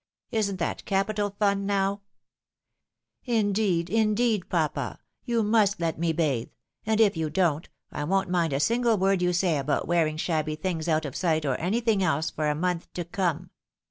Isn't that capital fun now ? Indeed, indeed, papa, you must let me bathe ; and if you don't, I won't mind a single word you say about wearing shabby things out of sight, or anything else, for a month to come.